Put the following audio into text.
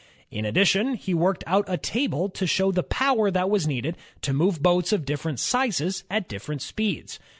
In addition, he worked out a table to show the power that was needed to move boats of different sizes at different speeds.